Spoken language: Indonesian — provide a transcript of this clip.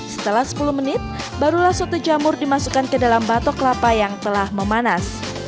setelah sepuluh menit barulah soto jamur dimasukkan ke dalam batok kelapa yang telah memanas